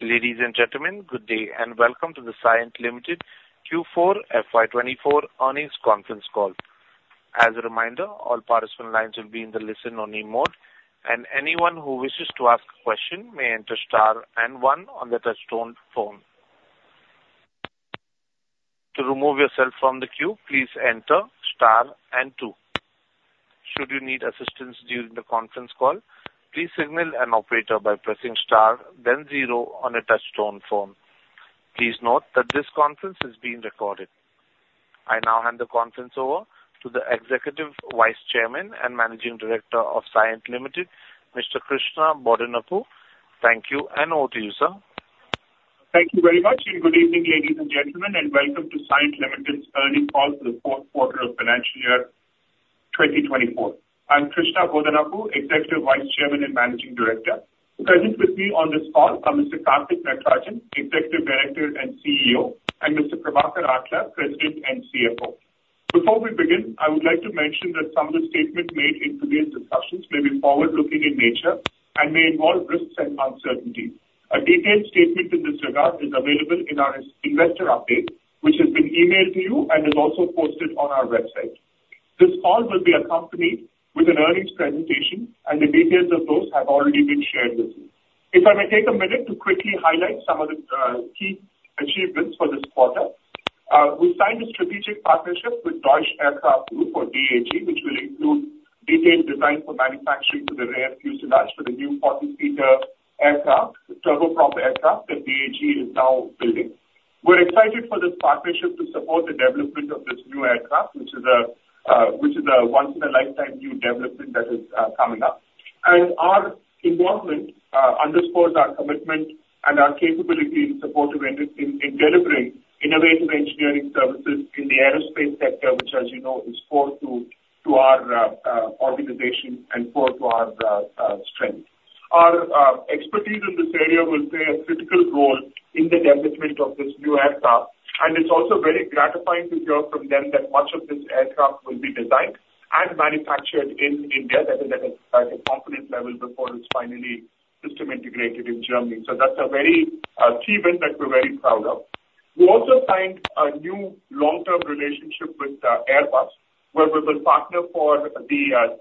Ladies and gentlemen, good day and welcome to the Cyient Limited Q4 FY24 Earnings Conference Call. As a reminder, all participant lines will be in the listen-only mode, and anyone who wishes to ask a question may enter star and one on the touchtone phone. To remove yourself from the queue, please enter * and 2. Should you need assistance during the conference call, please signal an operator by pressing star then zero on a touchtone phone. Please note that this conference is being recorded. I now hand the conference over to the Executive Vice Chairman and Managing Director of Cyient Limited, Mr. Krishna Bodanapu. Thank you, and over to you, sir. Thank you very much, and good evening, ladies and gentlemen, and welcome to Cyient Limited's Earnings Call for the Fourth Quarter of Financial Year 2024. I'm Krishna Bodanapu, Executive Vice Chairman and Managing Director. Present with me on this call are Mr. Karthik Natarajan, Executive Director and CEO, and Mr. Prabhakar Atla, President and CFO. Before we begin, I would like to mention that some of the statements made in today's discussions may be forward-looking in nature and may involve risks and uncertainty. A detailed statement in this regard is available in our investor update, which has been emailed to you and is also posted on our website. This call will be accompanied with an earnings presentation, and the details of those have already been shared with you. If I may take a minute to quickly highlight some of the key achievements for this quarter, we signed a strategic partnership with Deutsche Aircraft Group, or DAG, which will include detailed design for manufacturing for the rear fuselage for the new 40-seater turboprop aircraft that DAG is now building. We're excited for this partnership to support the development of this new aircraft, which is a once-in-a-lifetime new development that is coming up. Our involvement underscores our commitment and our capability in delivering innovative engineering services in the aerospace sector, which, as you know, is core to our organization and core to our strength. Our expertise in this area will play a critical role in the development of this new aircraft, and it's also very gratifying to hear from them that much of this aircraft will be designed and manufactured in India at a component level before it's finally system-integrated in Germany. So that's a very key event that we're very proud of. We also signed a new long-term relationship with Airbus, where we will partner for the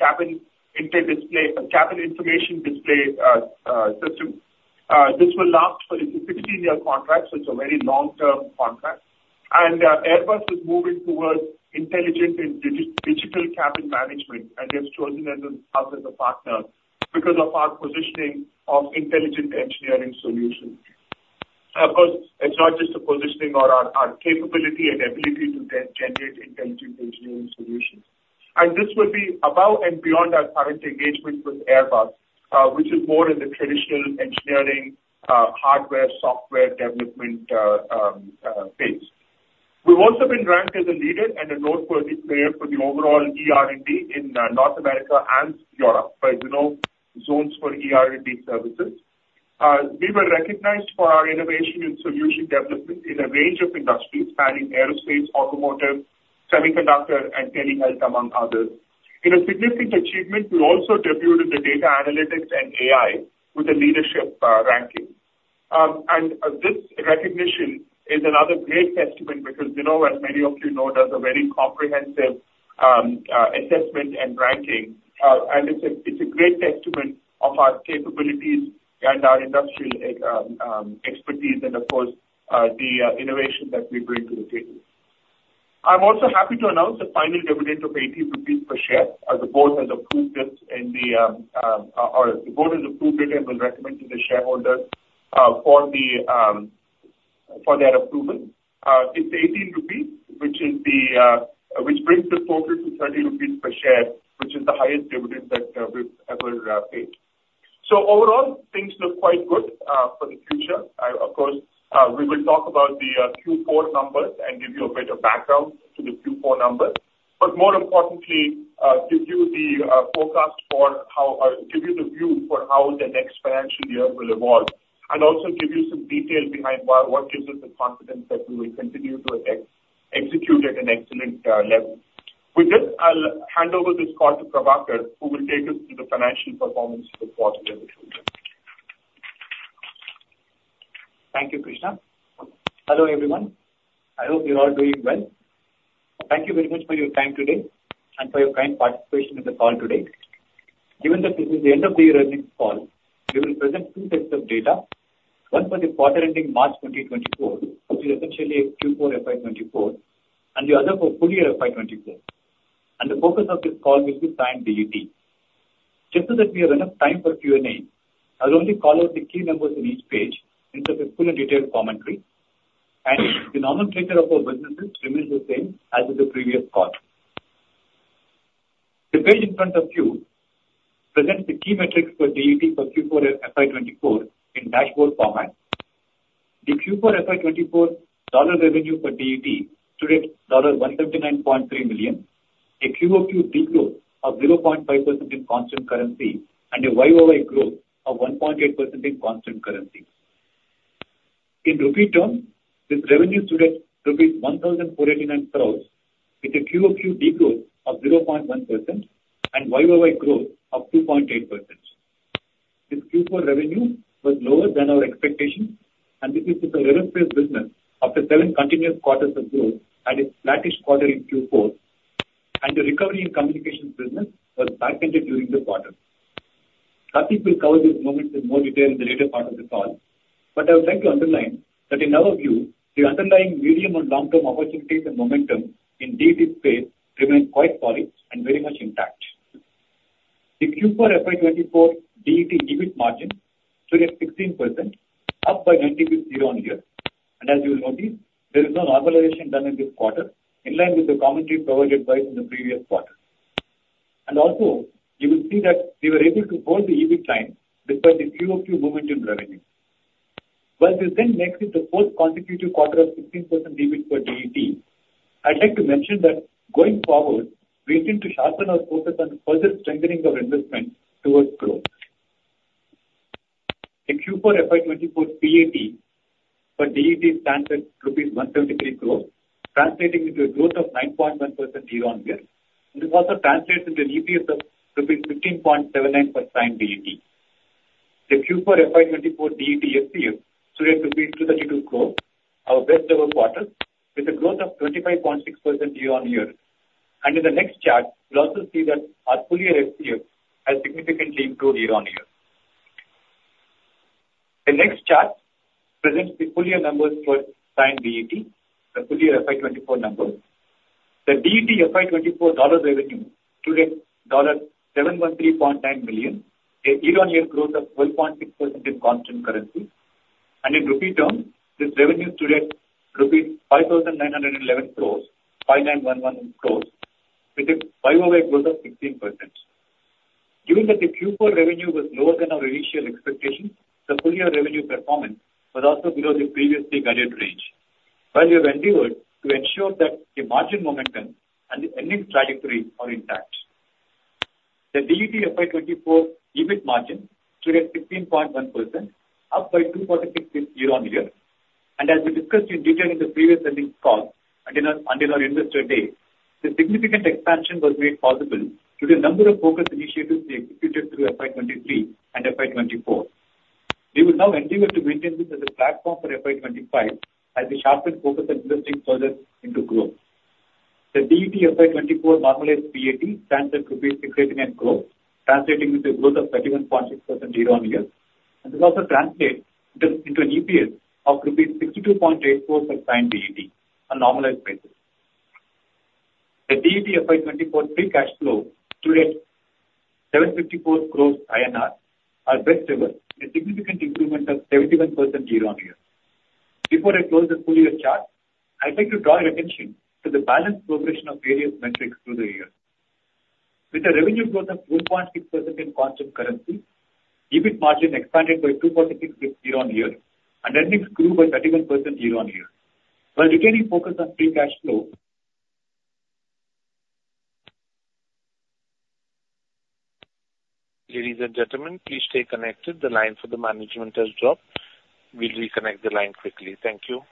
Cabin Information Display System. This will last for. It's a 16-year contract, so it's a very long-term contract. And Airbus is moving towards intelligent and digital cabin management, and they've chosen us as a partner because of our positioning of intelligent engineering solutions. Of course, it's not just a positioning or our capability and ability to generate intelligent engineering solutions. This will be above and beyond our current engagement with Airbus, which is more in the traditional engineering hardware-software development phase. We've also been ranked as a leader and a noteworthy player for the overall ER&D in North America and Europe, as you know, zones for ER&D services. We were recognized for our innovation in solution development in a range of industries spanning aerospace, automotive, semiconductor, and telehealth, among others. In a significant achievement, we also debuted in the data analytics and AI with a leadership ranking. This recognition is another great testament because, as many of you know, does a very comprehensive assessment and ranking, and it's a great testament of our capabilities and our industrial expertise and, of course, the innovation that we bring to the table. I'm also happy to announce the final dividend of 18 rupees per share. The board has approved it and will recommend to the shareholders for their approval. It's 18 rupees, which brings the total to 30 rupees per share, which is the highest dividend that we've ever paid. So overall, things look quite good for the future. Of course, we will talk about the Q4 numbers and give you a bit of background to the Q4 numbers, but more importantly, give you the forecast for how or give you the view for how the next financial year will evolve and also give you some detail behind what gives us the confidence that we will continue to execute at an excellent level. With this, I'll hand over this call to Prabhakar, who will take us through the financial performance report in the future. Thank you, Krishna. Hello, everyone. I hope you're all doing well. Thank you very much for your time today and for your kind participation in the call today. Given that this is the end of the earnings call, we will present two sets of data, one for the quarter ending March 2024, which is essentially Q4 FY24, and the other for full year FY24. The focus of this call will be Cyient DET. Just so that we have enough time for Q&A, I'll only call out the key numbers in each page in terms of full and detailed commentary, and the nomenclature of our businesses remains the same as in the previous call. The page in front of you presents the key metrics for DET for Q4 FY24 in dashboard format. The Q4 FY24 dollar revenue for DET stood at $179.3 million, a QoQ degrowth of 0.5% in constant currency, and a YoY growth of 1.8% in constant currency. In rupee terms, this revenue stood at 1,489 crore with a QoQ degrowth of 0.1% and YoY growth of 2.8%. This Q4 revenue was lower than our expectations, and this is just a our aerospace business after seven continuous quarters of growth and a flattish quarter in Q4, and the recovery in communications business was back-ended during the quarter. Karthik will cover these moments in more detail in the later part of the call, but I would like to underline that in our view, the underlying medium and long-term opportunities and momentum in DET space remain quite solid and very much intact. The Q4 FY24 DET EBIT margin stood at 16%, up by 90 bps YoY. As you will notice, there is no normalization done in this quarter in line with the commentary provided by us in the previous quarter. Also, you will see that we were able to hold the EBIT line despite the QoQ momentum revenue. While this then makes it the fourth consecutive quarter of 16% EBIT for DET, I'd like to mention that going forward, we intend to sharpen our focus on further strengthening our investment towards growth. The Q4 FY24 PAT for DET stands at rupees 173 crore, translating into a growth of 9.1% year-on-year. This also translates into an EPS of 15.79 per Cyient DET. The Q4 FY24 DET FCF stood at 232 crore, our best-ever quarter, with a growth of 25.6% year-on-year. In the next chart, we'll also see that our full-year FCF has significantly improved year-on-year. The next chart presents the full-year numbers for Cyient DET, the full-year FY24 numbers. The DET FY24 dollar revenue stood at $713.9 million, a year-on-year growth of 12.6% in constant currency. In rupee terms, this revenue stood at rupees 5,911 crore, 5,911 crore, with a YoY growth of 16%. Given that the Q4 revenue was lower than our initial expectations, the full-year revenue performance was also below the previously guided range, while we have endeavored to ensure that the margin momentum and the earnings trajectory are intact. The DET FY24 EBIT margin stood at 16.1%, up by 2.6% year-on-year. As we discussed in detail in the previous earnings call and in our Investor Day, the significant expansion was made possible due to a number of focus initiatives executed through FY23 and FY24. We will now endeavor to maintain this as a platform for FY25 as we sharpen focus on investing further into growth. The DET FY24 normalized PAT stands at INR 689 crore, translating into a growth of 31.6% year-on-year. This also translates into an EPS of INR 62.84 per Cyient DET on a normalized basis. The DET FY24 free cash flow stood at 754 crore INR, our best-ever, with a significant improvement of 71% year-on-year. Before I close the full-year chart, I'd like to draw your attention to the balanced progression of various metrics through the years. With a revenue growth of 1.6% in constant currency, EBIT margin expanded by 2.6% year-on-year, and earnings grew by 31% year-on-year. While retaining focus on free cash flow. Ladies and gentlemen, please stay connected. The line for the management has dropped. We'll reconnect the line quickly. Thank you.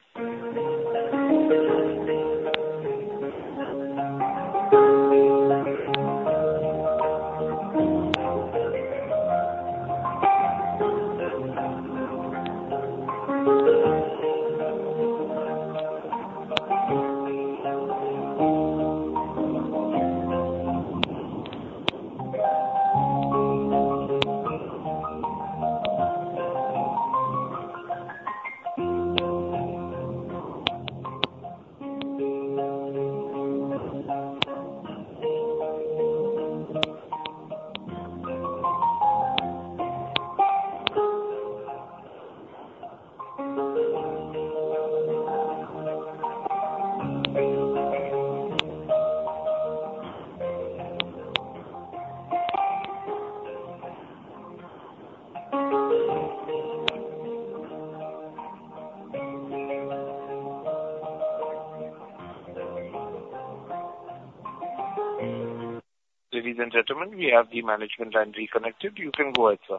Ladies and gentlemen, we have the management line reconnected. You can go ahead, sir.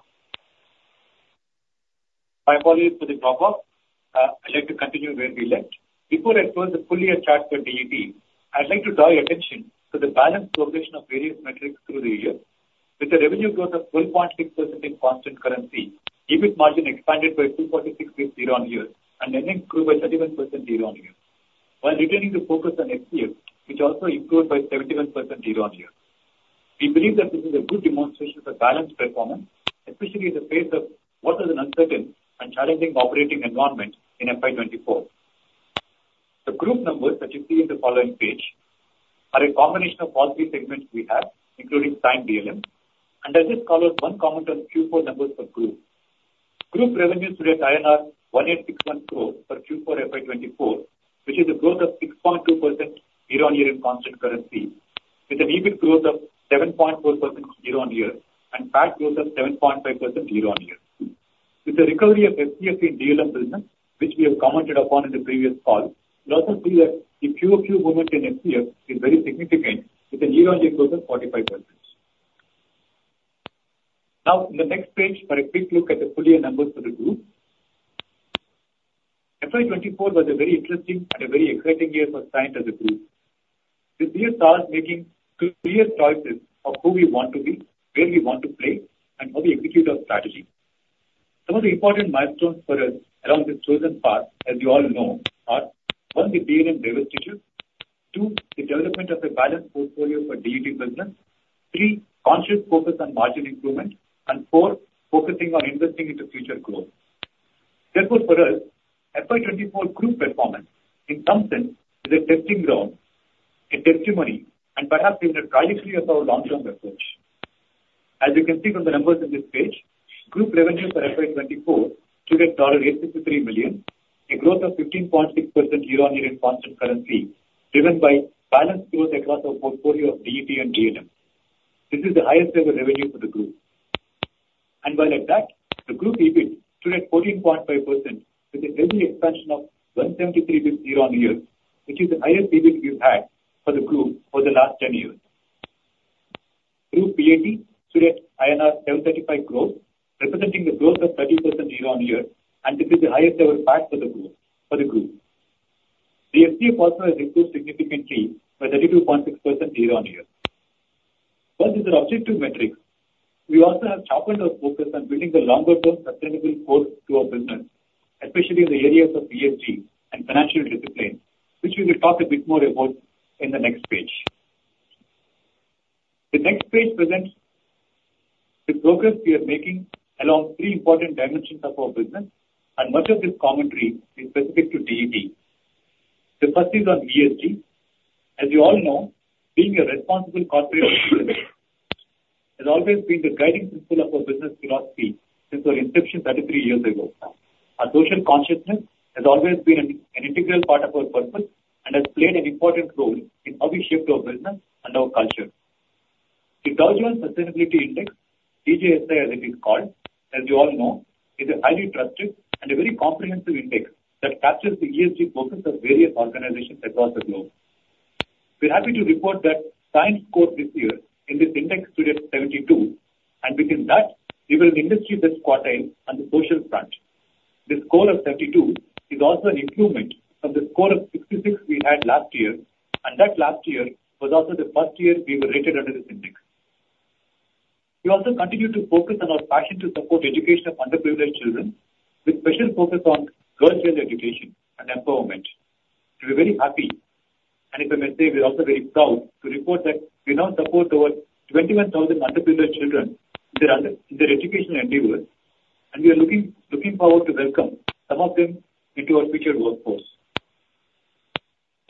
My apologies for the drop-off. I'd like to continue where we left. Before I close the full-year chart for DET, I'd like to draw your attention to the balanced progression of various metrics through the years. With a revenue growth of 12.6% in constant currency, EBIT margin expanded by 2.6% year-over-year, and earnings grew by 31% year-over-year, while retaining the focus on FCF, which also improved by 71% year-over-year. We believe that this is a good demonstration of balanced performance, especially in the face of what is an uncertain and challenging operating environment in FY2024. The group numbers that you see in the following page are a combination of all three segments we have, including Cyient DLM. I'll just call out one comment on Q4 numbers for group. Group revenue stood at INR 1,861 crore for Q4 FY 2024, which is a growth of 6.2% year-on-year in constant currency, with an EBIT growth of 7.4% year-on-year and PAT growth of 7.5% year-on-year. With the recovery of FCF in DLM business, which we have commented upon in the previous call, you'll also see that the QoQ movement in FCF is very significant, with a year-on-year growth of 45%. Now, in the next page, for a quick look at the full-year numbers for the group, FY 2024 was a very interesting and a very exciting year for Cyient as a group. This year saw us making clear choices of who we want to be, where we want to play, and how we execute our strategy. Some of the important milestones for us along this chosen path, as you all know, are: one, the DLM reverse tickets; two, the development of a balanced portfolio for DET business; three, conscious focus on margin improvement; and four, focusing on investing into future growth. Therefore, for us, FY24 group performance, in some sense, is a testing ground, a testimony, and perhaps even a trajectory of our long-term approach. As you can see from the numbers in this page, group revenues for FY24 stood at $863 million, a growth of 15.6% year-over-year in constant currency, driven by balanced growth across our portfolio of DET and DLM. This is the highest-ever revenue for the group. While at that, the group EBIT stood at 14.5%, with a healthy expansion of 173 basis points year-over-year, which is the highest EBIT we've had for the group for the last 10 years. Group PAT stood at INR 735 crore, representing a growth of 30% year-over-year, and this is the highest-ever PAT for the group. The FCF also has improved significantly by 32.6% year-over-year. While these are objective metrics, we also have sharpened our focus on building a longer-term sustainable core to our business, especially in the areas of ESG and financial discipline, which we will talk a bit more about in the next page. The next page presents the progress we are making along three important dimensions of our business, and much of this commentary is specific to DET. The first is on ESG. As you all know, being a responsible corporate business has always been the guiding principle of our business philosophy since our inception 33 years ago. Our social consciousness has always been an integral part of our purpose and has played an important role in how we shape our business and our culture. The Dow Jones Sustainability Index, DJSI as it is called, as you all know, is a highly trusted and a very comprehensive index that captures the ESG focus of various organizations across the globe. We're happy to report that Cyient's score this year in this index stood at 72, and within that, we were an industry best quartile on the social front. The score of 72 is also an improvement from the score of 66 we had last year, and that last year was also the first year we were rated under this index. We also continue to focus on our passion to support education of underprivileged children, with special focus on girls' early education and empowerment. We're very happy. And if I may say, we're also very proud to report that we now support over 21,000 underprivileged children in their educational endeavors, and we are looking forward to welcome some of them into our future workforce.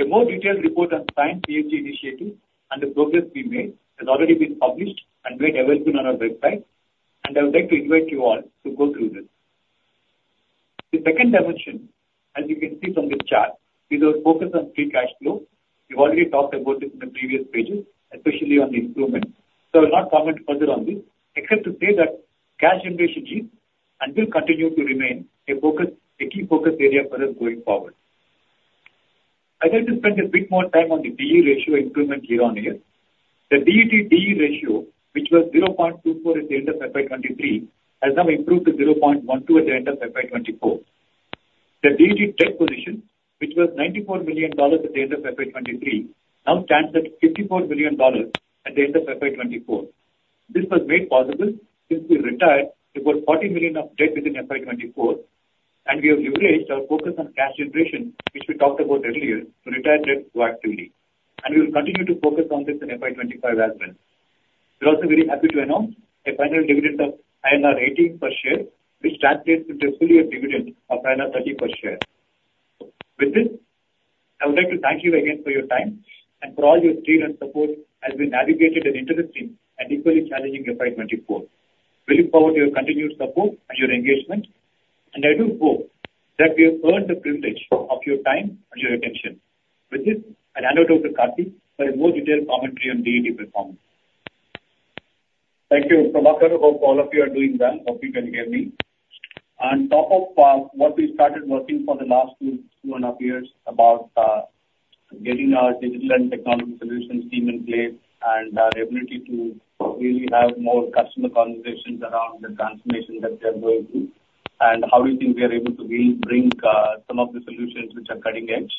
A more detailed report on Cyient's ESG initiatives and the progress we made has already been published and made available on our website, and I would like to invite you all to go through this. The second dimension, as you can see from this chart, is our focus on free cash flow. We've already talked about this in the previous pages, especially on the improvement. So I will not comment further on this, except to say that cash generation needs and will continue to remain a key focus area for us going forward. I'd like to spend a bit more time on the PE ratio improvement year-over-year. The Net Debt ratio, which was 0.24 at the end of FY 2023, has now improved to 0.12 at the end of FY 2024. The Net Debt position, which was $94 million at the end of FY 2023, now stands at $54 million at the end of FY 2024. This was made possible since we retired about $40 million of debt within FY 2024, and we have leveraged our focus on cash generation, which we talked about earlier, to retire debt proactively. We will continue to focus on this in FY 2025 as well. We're also very happy to announce a final dividend of INR 18 per share, which translates into a full-year dividend of INR 30 per share. With this, I would like to thank you again for your time and for all your zeal and support as we navigated an interesting and equally challenging FY 2024. We look forward to your continued support and your engagement, and I do hope that we have earned the privilege of your time and your attention. With this, I'll hand it over to Karthik for a more detailed commentary on DET performance. Thank you, Prabhakar. I hope all of you are doing well. Hope you can hear me. On top of what we started working for the last 2.5 years about getting our digital and technology solutions team in place and our ability to really have more customer conversations around the transformation that they are going through, and how do you think we are able to really bring some of the solutions which are cutting edge.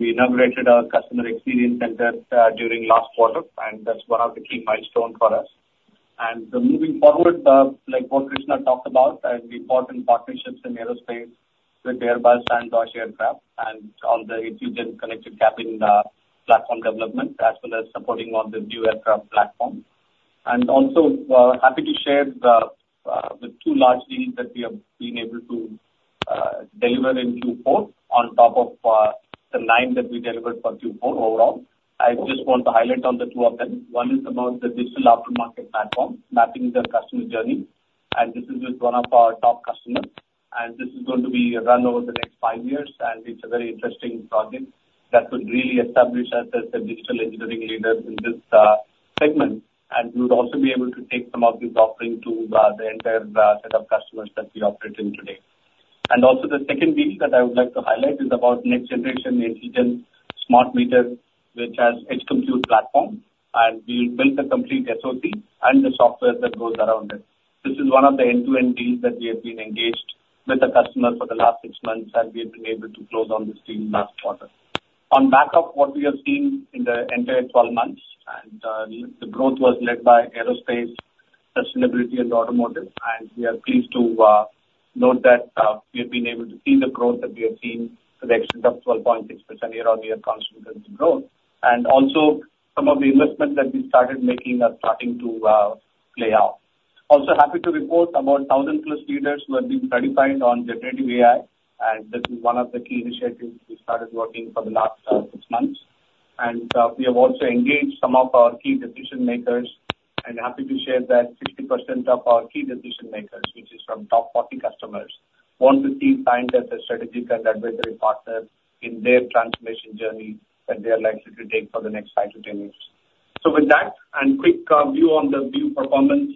We inaugurated our customer experience center during last quarter, and that's one of the key milestones for us. Moving forward, like Prabhakar Krishna talked about, the important partnerships in aerospace with Airbus and Deutsche Aircraft and on the Intelligent Connected Cabin platform development, as well as supporting on the new aircraft platform. Also, happy to share the 2 large deals that we have been able to deliver in Q4 on top of the 9 that we delivered for Q4 overall. I just want to highlight on the two of them. One is about the Digital Aftermarket Platform, mapping the customer journey. This is with one of our top customers. This is going to be run over the next five years, and it's a very interesting project that would really establish us as a digital engineering leader in this segment. We would also be able to take some of this offering to the entire set of customers that we operate in today. Also, the second deal that I would like to highlight is about next-generation Intelligent Smart Meter, which has edge compute platform, and we'll build a complete SoC and the software that goes around it. This is one of the end-to-end deals that we have been engaged with the customer for the last six months, and we have been able to close on this deal last quarter. On back of what we have seen in the entire 12 months, and the growth was led by aerospace, sustainability, and automotive, and we are pleased to note that we have been able to see the growth that we have seen for the extent of 12.6% year-over-year consistency growth, and also some of the investment that we started making are starting to play out. Also, happy to report about 1,000+ leaders who have been certified on generative AI, and this is one of the key initiatives we started working for the last six months. We have also engaged some of our key decision-makers, and happy to share that 60% of our key decision-makers, which is from top 40 customers, want to see Cyient as a strategic and advisory partner in their transformation journey that they are likely to take for the next 5-10 years. So with that, and quick view on the view performance,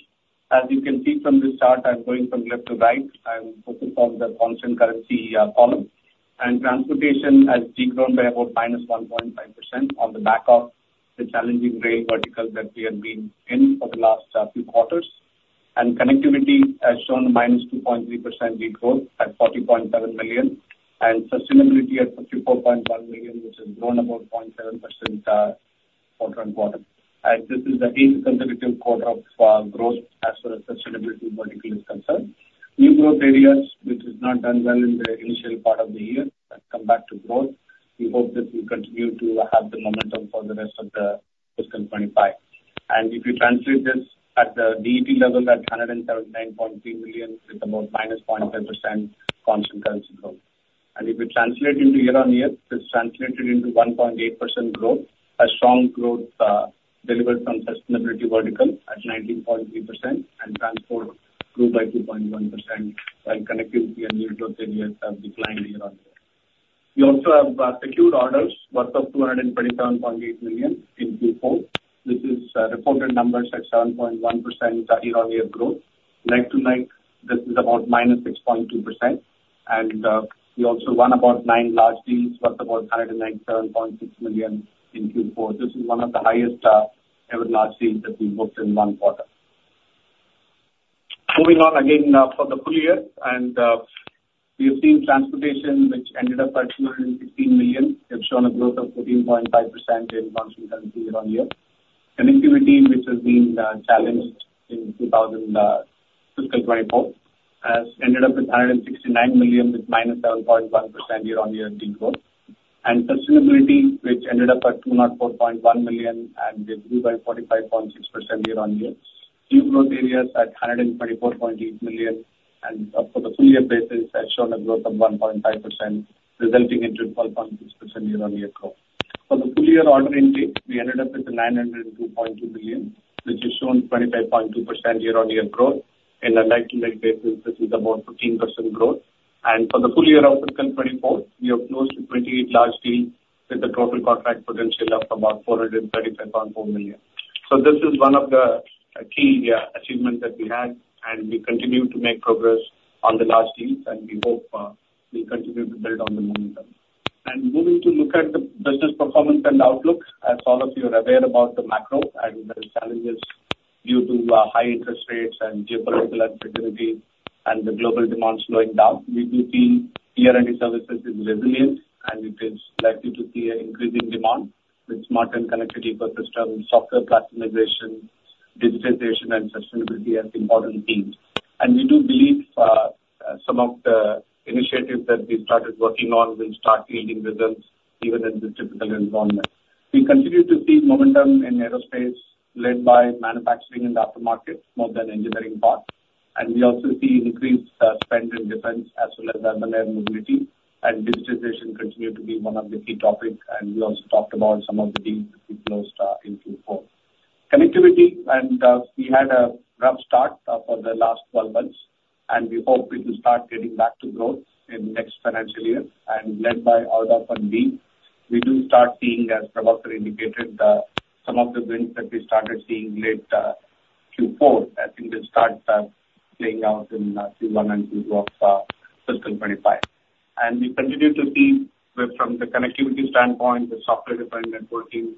as you can see from this chart, I'm going from left to right. I'm focused on the constant currency column. And transportation has degrown by about -1.5% on the back of the challenging rail vertical that we have been in for the last few quarters. And connectivity has shown -2.3% degrowth at $40.7 million, and sustainability at $54.1 million, which has grown about 0.7% quarter-on-quarter. And this is the eighth consecutive quarter of growth as far as sustainability vertical is concerned. New growth areas, which is not done well in the initial part of the year, come back to growth. We hope this will continue to have the momentum for the rest of the fiscal 2025. And if you translate this at the DET level at 179.3 million, it's about -0.5% constant currency growth. And if you translate into year-on-year, it's translated into 1.8% growth, a strong growth delivered from sustainability vertical at 19.3%, and transport grew by 2.1%, while connectivity and new growth areas have declined year-on-year. We also have secured orders worth of 227.8 million in Q4. This is reported numbers at 7.1% year-on-year growth. Q to Q, this is about -6.2%. And we also won about nine large deals worth about 197.6 million in Q4. This is one of the highest-ever large deals that we've booked in one quarter. Moving on again for the full year, and we have seen transportation, which ended up at $216 million, has shown a growth of 14.5% in constant currency year-on-year. Connectivity, which has been challenged in fiscal 2024, has ended up with $169 million with -7.1% year-on-year degrowth. And sustainability, which ended up at $204.1 million, and it grew by 45.6% year-on-year. New growth areas at $124.8 million, and for the full-year basis, has shown a growth of 1.5%, resulting into 12.6% year-on-year growth. For the full-year order intake, we ended up with $902.2 million, which has shown 25.2% year-on-year growth. In a net-to-net basis, this is about 15% growth. And for the full year of fiscal 2024, we are close to 28 large deals with a total contract potential of about $435.4 million. So this is one of the key achievements that we had, and we continue to make progress on the large deals, and we hope we'll continue to build on the momentum. And moving to look at the business performance and outlook, as all of you are aware about the macro and the challenges due to high interest rates and geopolitical uncertainty and the global demands slowing down, we do feel ER&D services is resilient, and it is likely to see an increasing demand with smart and connected ecosystems, software customization, digitization, and sustainability as important themes. And we do believe some of the initiatives that we started working on will start yielding results even in this difficult environment. We continue to see momentum in aerospace, led by manufacturing and aftermarket, more than engineering part. We also see increased spend in defense as well as urban air mobility, and digitization continues to be one of the key topics, and we also talked about some of the deals that we closed in Q4. Connectivity, and we had a rough start for the last 12 months, and we hope we can start getting back to growth in the next financial year. Led by Aldous and Dean, we do start seeing, as Prabhakar indicated, some of the wins that we started seeing late Q4, I think, will start playing out in Q1 and Q2 of fiscal 2025. We continue to see, from the connectivity standpoint, that software-defined networking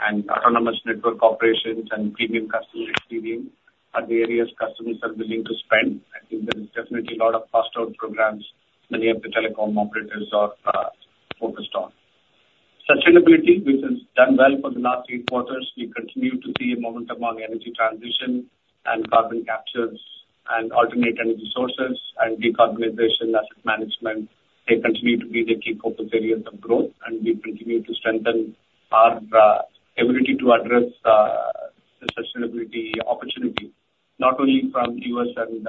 and autonomous network operations and premium customer experience are the areas customers are willing to spend. I think there is definitely a lot of cost-out programs many of the telecom operators are focused on. Sustainability, which has done well for the last eight quarters, we continue to see a momentum on energy transition and carbon capture and alternate energy sources and decarbonization, asset management. They continue to be the key focus areas of growth, and we continue to strengthen our ability to address the sustainability opportunity, not only from the U.S. and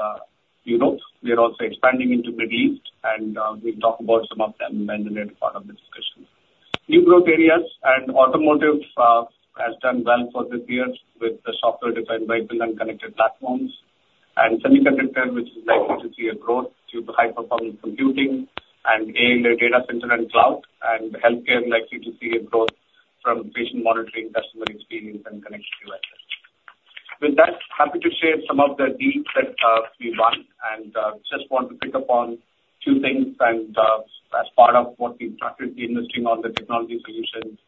Europe. We are also expanding into the Middle East, and we'll talk about some of them when we're part of the discussion. New growth areas. Automotive has done well for this year with the software-defined vehicle and connected platforms. Semiconductor, which is likely to see a growth due to high-performance computing and data center and cloud. Healthcare, likely to see a growth from patient monitoring, customer experience, and connected devices. With that, happy to share some of the deals that we won and just want to pick up on two things. As part of what we started investing on the technology solutions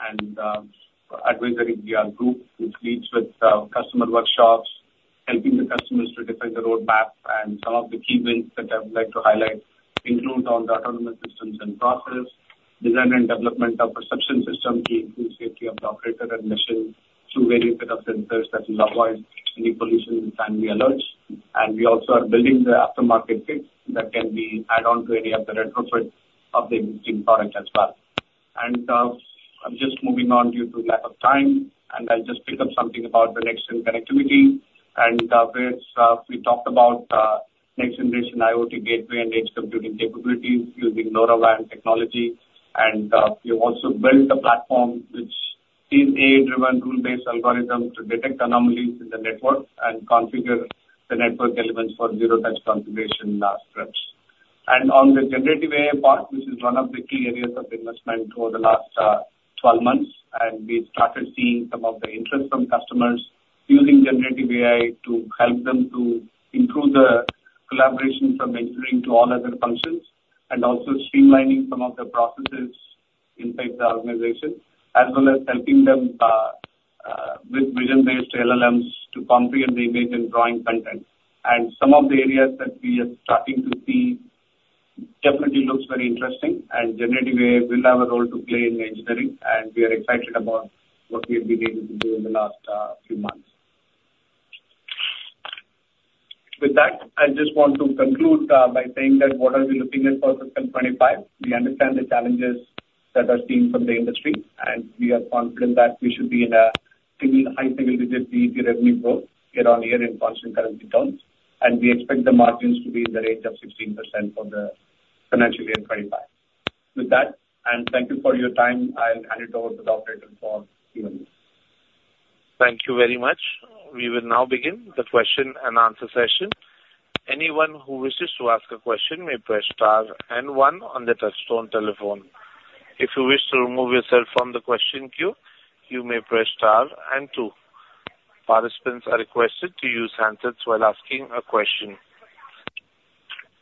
and advisory group, which leads with customer workshops, helping the customers to define the roadmap, and some of the key wins that I would like to highlight include on the autonomous systems and process, design and development of perception systems to improve safety of the operator and mission through various set of sensors that will avoid any pollution and sign the alerts. We also are building the aftermarket kits that can be added on to any of the retrofits of the existing product as well. I'm just moving on due to lack of time, and I'll just pick up something about the next-gen connectivity. We talked about next-generation IoT gateway and edge computing capabilities using LoRaWAN technology. We've also built a platform, which is an AI-driven, rule-based algorithm to detect anomalies in the network and configure the network elements for zero-touch configuration scripts. On the generative AI part, which is one of the key areas of investment over the last 12 months, we started seeing some of the interest from customers using generative AI to help them improve the collaboration from engineering to all other functions and also streamlining some of the processes inside the organization, as well as helping them with vision-based LLMs to comprehend the image and drawing content. Some of the areas that we are starting to see definitely look very interesting, and generative AI will have a role to play in engineering, and we are excited about what we have been able to do in the last few months. With that, I just want to conclude by saying that what are we looking at for fiscal 2025? We understand the challenges that are seen from the industry, and we are confident that we should be in a high single-digit DET revenue growth year-over-year in constant currency terms. We expect the margins to be in the range of 16% for the financial year 2025. With that, and thank you for your time. I'll hand it over to the operator for Q&A. Thank you very much. We will now begin the question-and-answer session. Anyone who wishes to ask a question may press star and one on the touch-tone telephone. If you wish to remove yourself from the question queue, you may press star and two. Participants are requested to use handsets while asking a question.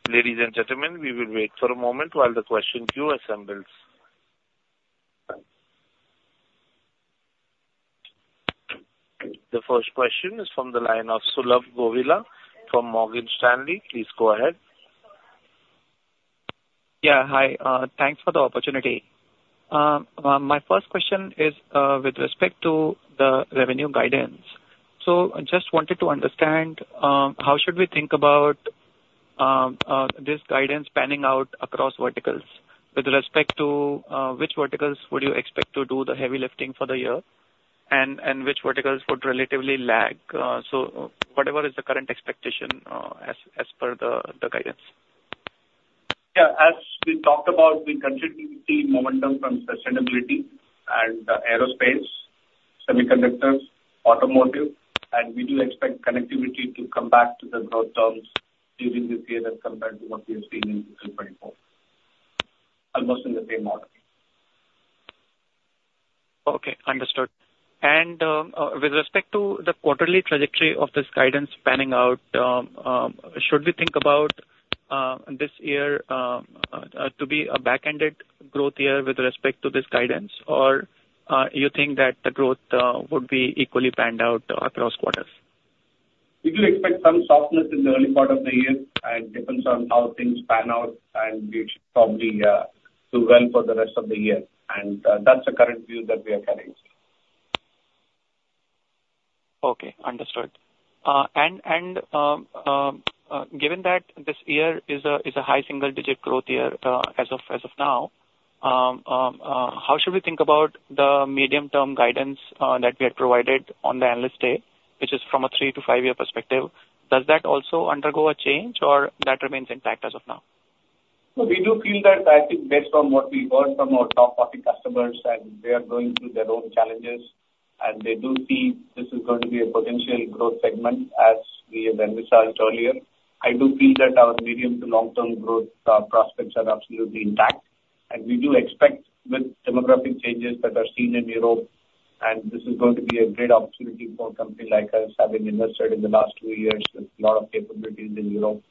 Ladies and gentlemen, we will wait for a moment while the question queue assembles. The first question is from the line of Sulabh Govila from Morgan Stanley. Please go ahead. Yeah. Hi. Thanks for the opportunity. My first question is with respect to the revenue guidance. So I just wanted to understand how should we think about this guidance panning out across verticals? With respect to which verticals would you expect to do the heavy lifting for the year and which verticals would relatively lag? So whatever is the current expectation as per the guidance? Yeah. As we talked about, we continue to see momentum from sustainability and aerospace, semiconductors, automotive, and we do expect connectivity to come back to the growth terms during this year as compared to what we have seen in fiscal 2024, almost in the same order. Okay. Understood. And with respect to the quarterly trajectory of this guidance panning out, should we think about this year to be a back-ended growth year with respect to this guidance, or you think that the growth would be equally panned out across quarters? We do expect some softness in the early part of the year, and it depends on how things pan out, and we should probably do well for the rest of the year. That's the current view that we are carrying. Okay. Understood. Given that this year is a high single-digit growth year as of now, how should we think about the medium-term guidance that we had provided on the Analyst Day, which is from a 3-5-year perspective? Does that also undergo a change, or that remains intact as of now? So we do feel that, I think, based on what we heard from our top 40 customers, and they are going through their own challenges, and they do see this is going to be a potential growth segment as we have envisaged earlier. I do feel that our medium-to-long-term growth prospects are absolutely intact. We do expect, with demographic changes that are seen in Europe, and this is going to be a great opportunity for a company like us having invested in the last two years with a lot of capabilities in Europe.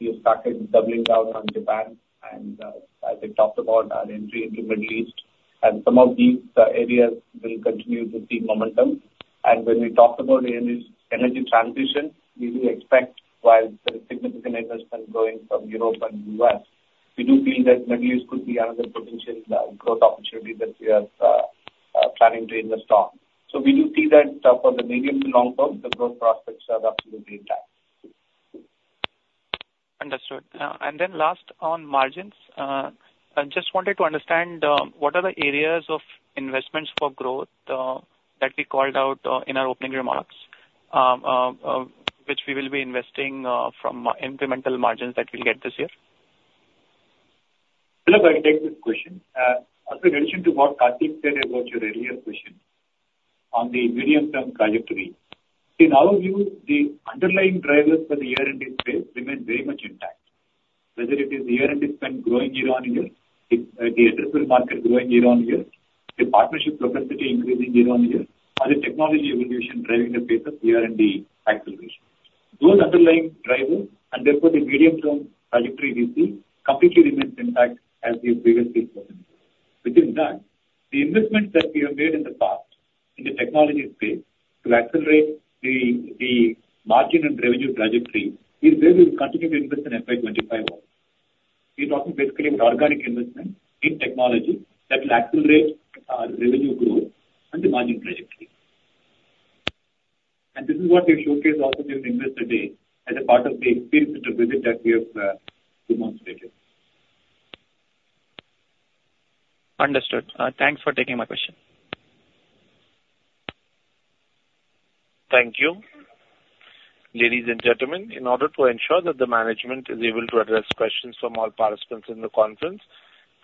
We have started doubling down on Japan, and as we talked about, our entry into the Middle East, and some of these areas will continue to see momentum. When we talked about energy transition, we do expect, while there is significant investment growing from Europe and the U.S., we do feel that the Middle East could be another potential growth opportunity that we are planning to invest on. So we do see that for the medium to long term, the growth prospects are absolutely intact. Understood. Last, on margins, I just wanted to understand what are the areas of investments for growth that we called out in our opening remarks, which we will be investing from incremental margins that we'll get this year? Hello. I'll take this question. As in addition to what Karthik said about your earlier question on the medium-term trajectory, in our view, the underlying drivers for the ER&D space remain very much intact, whether it is the ER&D spend growing year-over-year, the addressable market growing year-over-year, the partnership capacity increasing year-over-year, or the technology evolution driving the pace of ER&D acceleration. Those underlying drivers, and therefore the medium-term trajectory we see, completely remains intact as we have previously spoken about. Within that, the investments that we have made in the past in the technology space to accelerate the margin and revenue trajectory is where we will continue to invest in FY25 also. We're talking basically about organic investment in technology that will accelerate revenue growth and the margin trajectory. This is what we have showcased also during the Investor Day as a part of the experience center visit that we have demonstrated. Understood. Thanks for taking my question. Thank you. Ladies and gentlemen, in order to ensure that the management is able to address questions from all participants in the conference,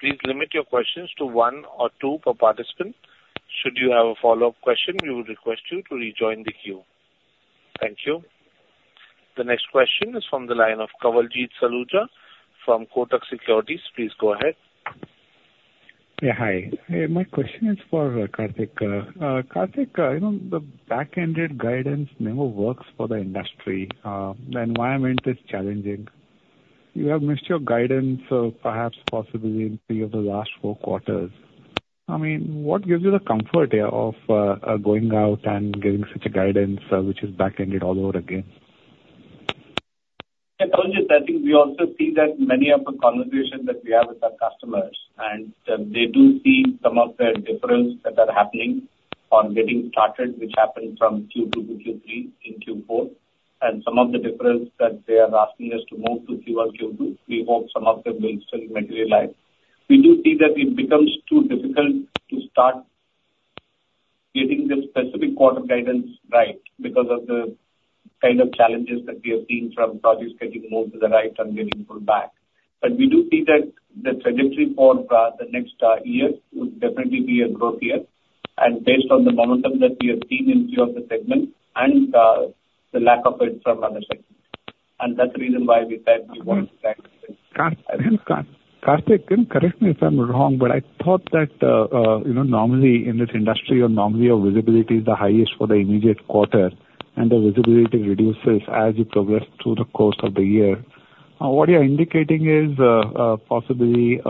please limit your questions to one or two per participant. Should you have a follow-up question, we will request you to rejoin the queue. Thank you. The next question is from the line of Kawaljeet Saluja from Kotak Securities. Please go ahead. Yeah. Hi. My question is for Karthik. Karthik, the back-end guidance never works for the industry. The environment is challenging. You have missed your guidance, perhaps possibly in three of the last four quarters. I mean, what gives you the comfort here of going out and getting such a guidance which is back-ended all over again? Yeah. Kawaljeet, I think we also see that many of the conversations that we have with our customers, and they do see some of the difference that are happening or getting started, which happened from Q2 to Q3 in Q4, and some of the difference that they are asking us to move to Q1, Q2. We hope some of them will still materialize. We do see that it becomes too difficult to start getting the specific quarter guidance right because of the kind of challenges that we have seen from projects getting moved to the right and getting pulled back. But we do see that the trajectory for the next year would definitely be a growth year, and based on the momentum that we have seen in three of the segments and the lack of it from other segments. And that's the reason why we said we wanted to back. Karthik, can you correct me if I'm wrong, but I thought that normally, in this industry, your normal year visibility is the highest for the immediate quarter, and the visibility reduces as you progress through the course of the year. What you're indicating is possibly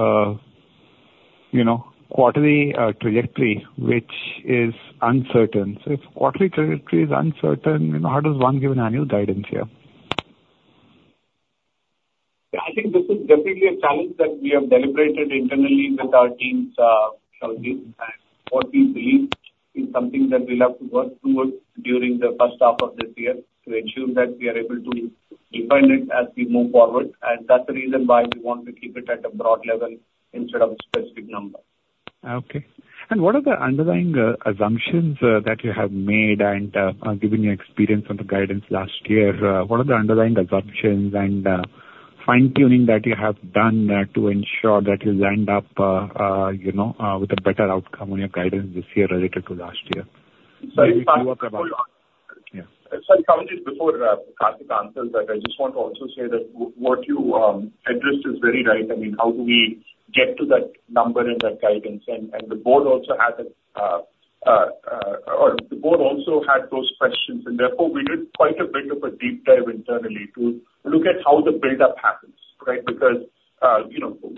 quarterly trajectory, which is uncertain. So if quarterly trajectory is uncertain, how does one give an annual guidance here? Yeah. I think this is definitely a challenge that we have deliberated internally with our teams, Kavaljeet, and what we believe is something that we'll have to work towards during the first half of this year to ensure that we are able to define it as we move forward. And that's the reason why we want to keep it at a broad level instead of a specific number. Okay. What are the underlying assumptions that you have made and given your experience on the guidance last year? What are the underlying assumptions and fine-tuning that you have done to ensure that you'll land up with a better outcome on your guidance this year related to last year? Sorry. Kawaljeet, before Karthik answers, I just want to also say that what you addressed is very right. I mean, how do we get to that number and that guidance? The board also had those questions. And therefore, we did quite a bit of a deep dive internally to look at how the buildup happens, right, because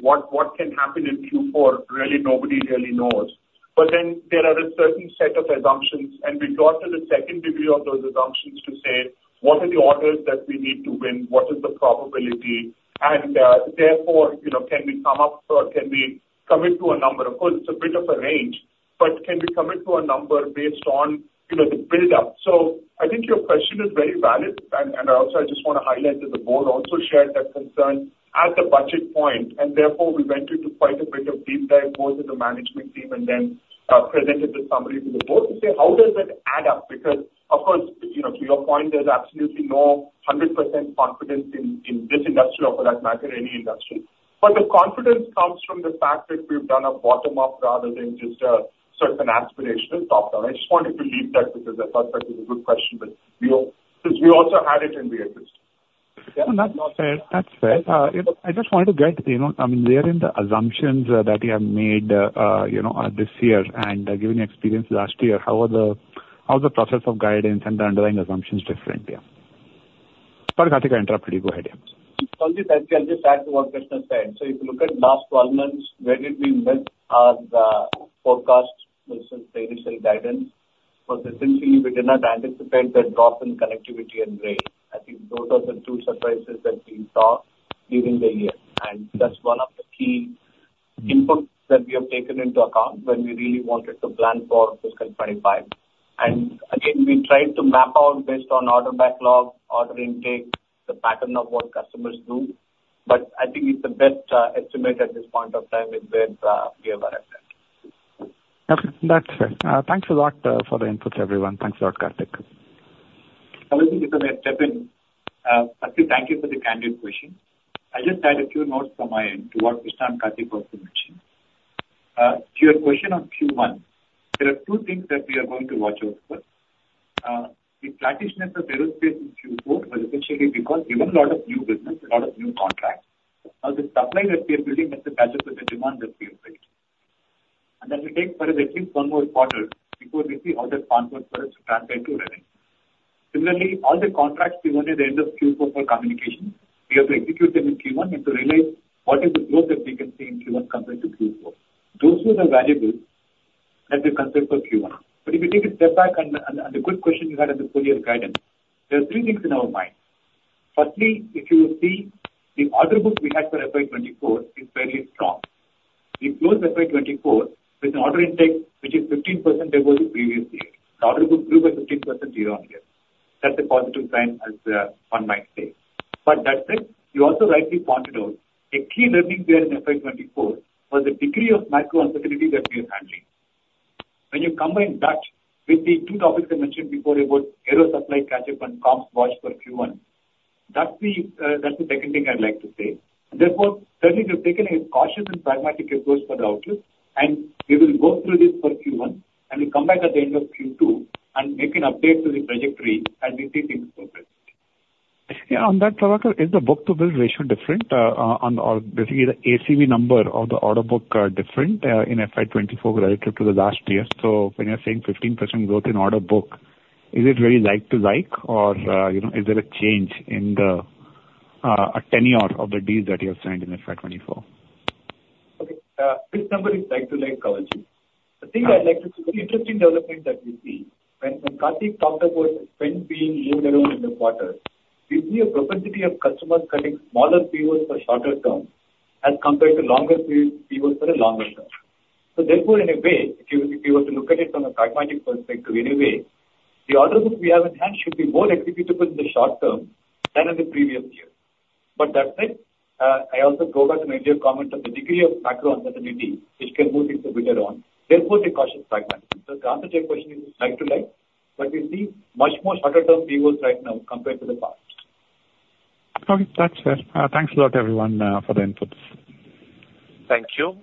what can happen in Q4, really, nobody really knows. But then there are a certain set of assumptions, and we got to the second degree of those assumptions to say, "What are the orders that we need to win? What is the probability? And therefore, can we come up or can we commit to a number?" Of course, it's a bit of a range, but can we commit to a number based on the buildup? I think your question is very valid. And also, I just want to highlight that the board also shared that concern at the budget point. And therefore, we went into quite a bit of deep dive both as a management team and then presented the summary to the board to say, "How does it add up?" Because, of course, to your point, there's absolutely no 100% confidence in this industry or, for that matter, any industry. But the confidence comes from the fact that we've done a bottom-up rather than just a certain aspirational top-down. I just wanted to leave that because I thought that was a good question because we also had it, and we addressed it. Yeah. That's fair. That's fair. I just wanted to get. I mean, we are in the assumptions that you have made this year and given your experience last year. How are the process of guidance and the underlying assumptions different here? Sorry, Karthik, I interrupted you. Go ahead, yeah. Kawaljeet, I think I'll just add to what Krishna said. So if you look at last 12 months, where did we miss our forecast versus the initial guidance? Because essentially, we did not anticipate the drop in connectivity and rail. I think those are the two surprises that we saw during the year. And that's one of the key inputs that we have taken into account when we really wanted to plan for fiscal 2025. And again, we tried to map out based on order backlog, order intake, the pattern of what customers do. But I think the best estimate at this point of time is where we have arrived at. Okay. That's fair. Thanks a lot for the inputs, everyone. Thanks a lot, Karthik. Kavaljeet, if I may step in, Karthik, thank you for the candid question. I'll just add a few notes from my end to what Krishna and Karthik also mentioned. To your question on Q1, there are two things that we are going to watch out for. The flattishness of aerospace in Q4 was essentially because we want a lot of new business, a lot of new contracts. Now, the supply that we are building matches up with the demand that we have built. And that will take for us at least one more quarter before we see how that transfers for us to translate to revenue. Similarly, all the contracts we want at the end of Q4 for communications, we have to execute them in Q1 and to realize what is the growth that we can see in Q1 compared to Q4. Those were the variables that we considered for Q1. But if you take a step back and the good question you had on the full-year guidance, there are three things in our mind. Firstly, if you will see, the order book we had for FY2024 is fairly strong. We closed FY2024 with an order intake which is 15% above the previous year. The order book grew by 15% year-over-year. That's a positive sign, as one might say. But that said, you also rightly pointed out a key learning here in FY2024 was the degree of macro uncertainty that we are handling. When you combine that with the two topics I mentioned before about aerosupply catch-up and comms watch for Q1, that's the second thing I'd like to say. And therefore, certainly, we've taken a cautious and pragmatic approach for the outlook. We will go through this for Q1, and we'll come back at the end of Q2 and make an update to the trajectory as we see things progress. Yeah. On that, Prabhakar, is the book-to-build ratio different or basically the ACV number or the order book different in FY2024 relative to the last year? So when you're saying 15% growth in order book, is it really like-for-like, or is there a change in the tenor of the deals that you have signed in FY2024? Okay. This number is like-to-like, Kavaljeet. The thing I'd like to say is an interesting development that we see. When Karthik talked about spend being moved around in the quarters, we see a propensity of customers cutting smaller POs for shorter terms as compared to longer-period POs for a longer term. So therefore, in a way, if you were to look at it from a pragmatic perspective, in a way, the order book we have in hand should be more executable in the short term than in the previous year. But that said, I also go back to my earlier comment on the degree of macro uncertainty, which can move things a bit around. Therefore, the cautious pragmatism. So to answer your question, it's like-to-like, but we see much more shorter-term POs right now compared to the past. Okay. That's fair. Thanks a lot, everyone, for the inputs. Thank you.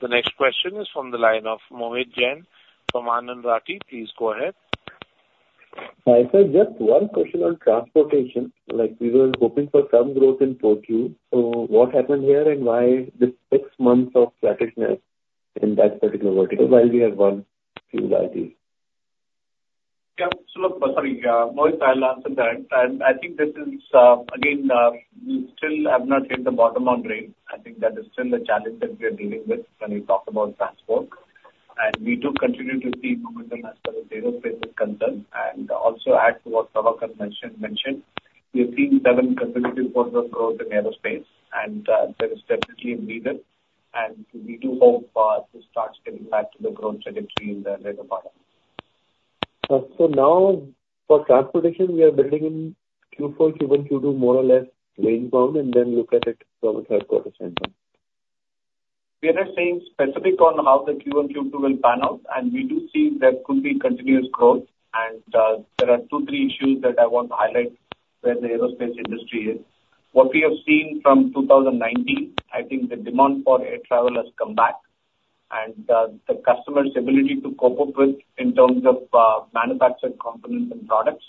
The next question is from the line of Mohit Jain from Anand Rathi. Please go ahead. Hi. Sir, just one question on transportation. We were hoping for some growth in 4Q. So what happened here, and why this six months of flattishness in that particular vertical while we have one fuel ID? Yeah. So sorry. Mohit, I'll answer that. And I think this is again, we still have not hit the bottom on rail. I think that is still a challenge that we are dealing with when we talk about transport. And we do continue to see momentum as far as aerospace is concerned. And also, add to what Prabhakar mentioned, we have seen seven consecutive quarters of growth in aerospace, and there is definitely a breather. And we do hope to start getting back to the growth trajectory in the later part of the year. So now, for transportation, we are building in Q4, Q1, Q2 more or less range-bound and then look at it from a third-quarter standpoint? We are not saying specific on how the Q1, Q2 will pan out. We do see there could be continuous growth. There are 2, 3 issues that I want to highlight where the aerospace industry is. What we have seen from 2019, I think the demand for air travel has come back, and the customer's ability to cope up with in terms of manufactured components and products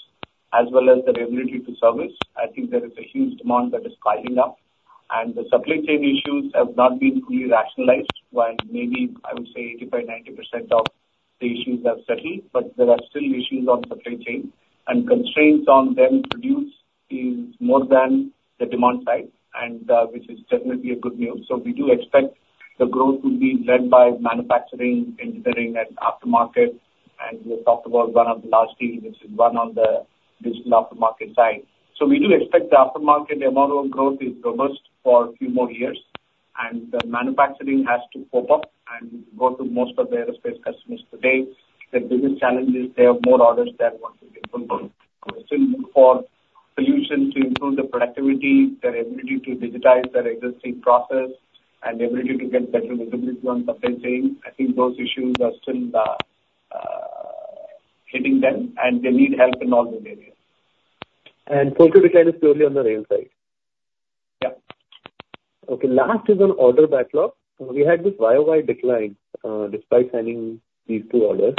as well as their ability to service, I think there is a huge demand that is piling up. The supply chain issues have not been fully rationalized, while maybe, I would say, 85%-90% of the issues have settled. But there are still issues on supply chain, and constraints on them produced is more than the demand side, which is definitely a good news. We do expect the growth to be led by manufacturing, engineering, and aftermarket. We have talked about one of the large deals, which is one on the digital aftermarket side. We do expect the aftermarket MRO growth is robust for a few more years, and the manufacturing has to pop up and go to most of the aerospace customers today. The biggest challenge is they have more orders than what we can fulfill. We still look for solutions to improve the productivity, their ability to digitize their existing process, and the ability to get better visibility on supply chain. I think those issues are still hitting them, and they need help in all those areas. 4Q decline is purely on the rail side? Yeah. Okay. Last is on order backlog. We had this YoY decline despite signing these two orders.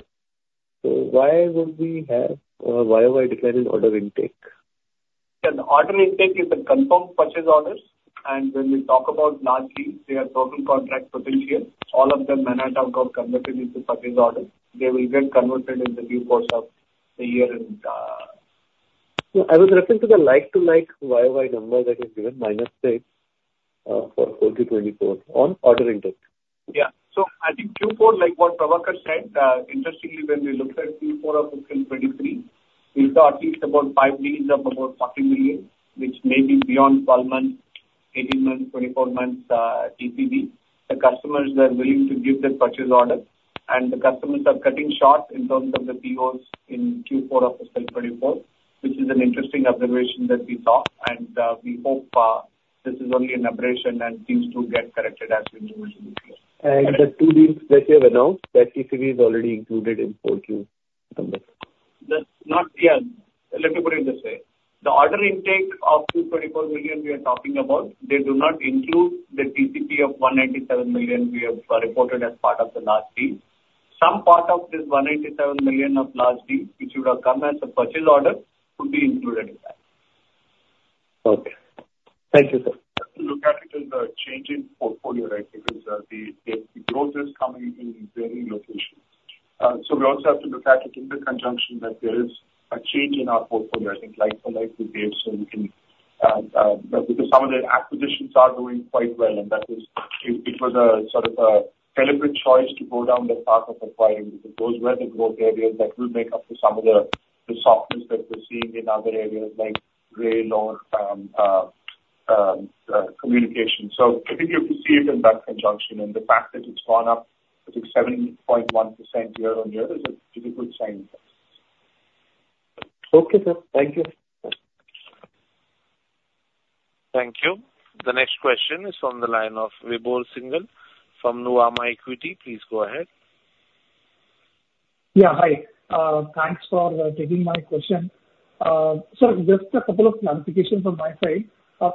So why would we have a YoY decline in order intake? Yeah. The order intake is the confirmed purchase orders. And when we talk about large deals, they have total contract potential. All of them may not have got converted into purchase orders. They will get converted in the due course of the year and. Yeah. I was referring to the like-for-like YoY number that is given -6 for 4Q2024 on order intake. Yeah. So I think Q4, like what Prabhakar said, interestingly, when we looked at Q4 of fiscal 2023, we saw at least about 5 deals of about 40 million, which may be beyond 12 months, 18 months, 24 months TPV. The customers are willing to give the purchase order. And the customers are cutting short in terms of the POs in Q4 of fiscal 2024, which is an interesting observation that we saw. And we hope this is only an aberration and things do get corrected as we move into the Q4. The two deals that you have announced, that TPV is already included in 4Q number? Yeah. Let me put it this way. The order intake of 224 million we are talking about, they do not include the TCP of 197 million we have reported as part of the large deal. Some part of this 197 million of large deal, which would have come as a purchase order, could be included in that. Okay. Thank you, sir. Look at it as a change in portfolio, right, because the growth is coming in varying locations. So we also have to look at it in the conjunction that there is a change in our portfolio, I think, like-to-like we gave so we can because some of the acquisitions are going quite well, and it was sort of a deliberate choice to go down the path of acquiring because those were the growth areas that will make up for some of the softness that we're seeing in other areas like rail or communication. So I think you have to see it in that conjunction. And the fact that it's gone up, I think, 7.1% year-on-year is a good sign for us. Okay, sir. Thank you. Thank you. The next question is from the line of Vibhor Singhal from Nuvama Equity. Please go ahead. Yeah. Hi. Thanks for taking my question. Sir, just a couple of clarifications on my side. I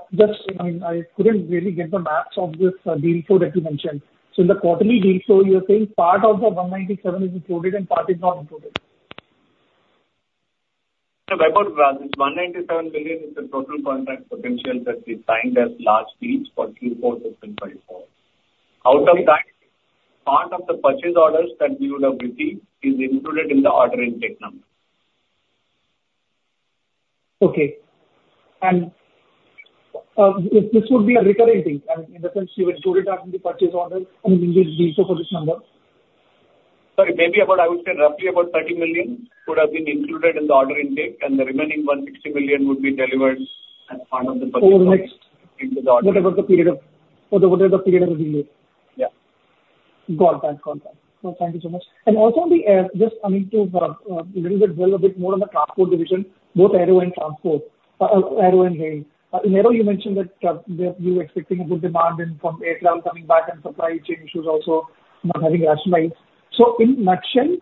mean, I couldn't really get the math of this deal flow that you mentioned. So in the quarterly deal flow, you're saying part of the 197 is included and part is not included? Sir, about this $197 million, it's the total contract potential that we signed as large deals for Q4 fiscal 2024. Out of that, part of the purchase orders that we would have received is included in the order intake number. Okay. And this would be a recurring thing? I mean, in the sense, you would include it in the purchase order and include the deal flow for this number? Sorry. Maybe about, I would say, roughly about $30 million would have been included in the order intake, and the remaining $160 million would be delivered as part of the purchase order into the order. Oh, next. What is the period of delivery? Yeah. Got that. Got that. So thank you so much. And also on the aero, just, I mean, to a little bit drill a bit more on the transport division, both aero and transport aero and rail. In aero, you mentioned that you were expecting a good demand from air travel coming back and supply chain issues also not having rationalized. So in a nutshell,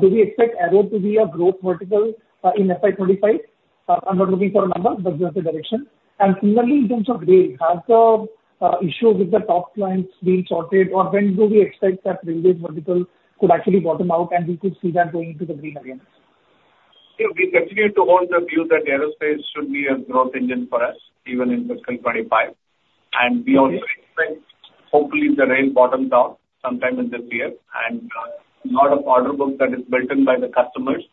do we expect aero to be a growth vertical in FY25? I'm not looking for a number, but just a direction. And similarly, in terms of rail, has the issue with the top clients been sorted, or when do we expect that rail-based vertical could actually bottom out, and we could see that going into the green again? Yeah. We continue to hold the view that aerospace should be a growth engine for us even in fiscal 2025. We also expect, hopefully, the rail bottoms out sometime in this year. A lot of order book that is burdened by the customers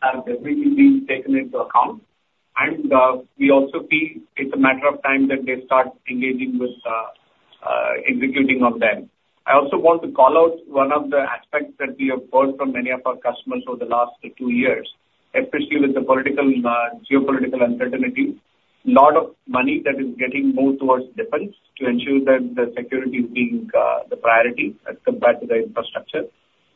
has definitely been taken into account. We also see it's a matter of time that they start engaging with executing on them. I also want to call out one of the aspects that we have heard from many of our customers over the last two years, especially with the geopolitical uncertainty. A lot of money that is getting moved towards defense to ensure that the security is being the priority as compared to the infrastructure.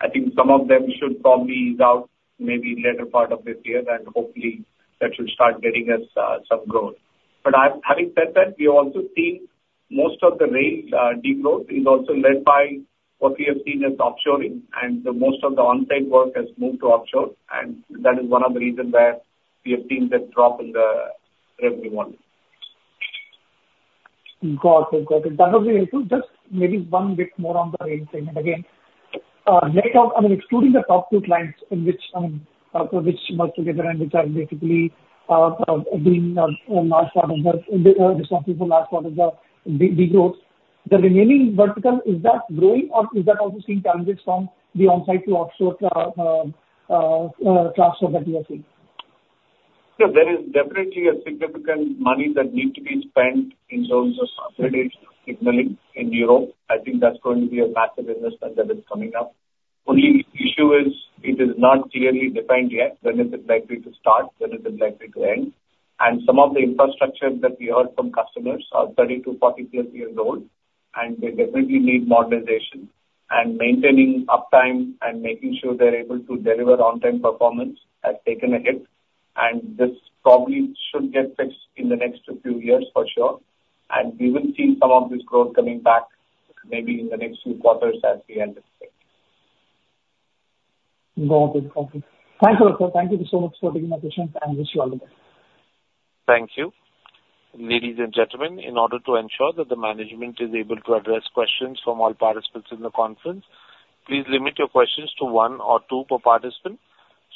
I think some of them should probably ease out maybe later part of this year, and hopefully, that should start getting us some growth. But having said that, we have also seen most of the rail degrowth is also led by what we have seen as offshoring, and most of the onsite work has moved to offshore. That is one of the reasons where we have seen the drop in the revenue volume. Got it. Got it. That was the input. Just maybe one bit more on the rail segment. Again, I mean, excluding the top two clients which I mean, which work together and which are basically being a large part of the responsible large part of the degrowth, the remaining vertical, is that growing, or is that also seeing challenges from the onsite to offshore transfer that you are seeing? Yeah. There is definitely a significant money that needs to be spent in terms of upgraded signaling in Europe. I think that's going to be a massive investment that is coming up. Only issue is it is not clearly defined yet when is it likely to start, when is it likely to end. And some of the infrastructure that we heard from customers are 30-40+ years old, and they definitely need modernization and maintaining uptime and making sure they're able to deliver on-time performance has taken a hit. And this probably should get fixed in the next few years for sure. And we will see some of this growth coming back maybe in the next few quarters as we anticipate. Got it. Okay. Thank you, sir. Thank you so much for taking my questions, and wish you all the best. Thank you. Ladies and gentlemen, in order to ensure that the management is able to address questions from all participants in the conference, please limit your questions to one or two per participant.